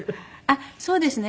あっそうですね。